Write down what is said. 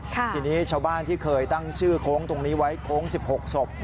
ทีนี้ชาวบ้านที่เคยตั้งชื่อโค้งตรงนี้ไว้โค้ง๑๖ศพ